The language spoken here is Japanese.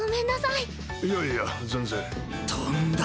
いやいや全然。